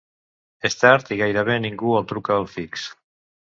És tard i gairebé ningú no el truca al fix.